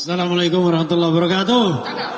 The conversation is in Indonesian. assalamu alaikum warahmatullahi wabarakatuh